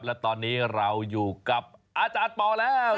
และตอนนี้เราอยู่กับอาจารย์ปอแล้ว